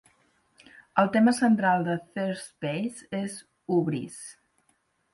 El tema central de "Thirdspace" és hubris.